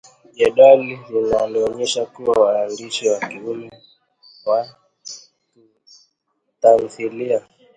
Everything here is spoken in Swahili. Jedwali linaonyesha kuwa waandishi wa kiume wa tamthilia